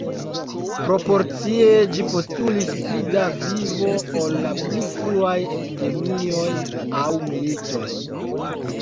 Proporcie, ĝi postulis pli da vivo ol la pli fruaj epidemioj aŭ militoj.